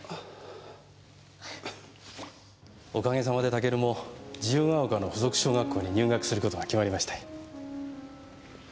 お陰様でタケルも自由が丘の付属小学校に入学する事が決まりまして。